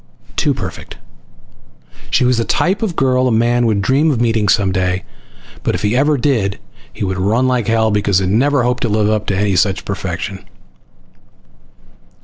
Too perfect. She was the type of girl a man would dream of meeting some day, but if he ever did he would run like hell because he could never hope to live up to such perfection.